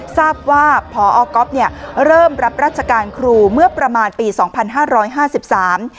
ทราบว่าพอก๊อฟเนี่ยเริ่มรับราชการครูเมื่อประมาณปีสองพันห้าร้อยห้าสิบสาม